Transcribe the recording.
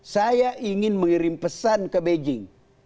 saya ingin mengirim pesan ke beijing